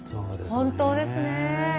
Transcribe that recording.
本当ですね。